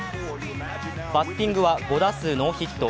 バッティングは５打数ノーヒット。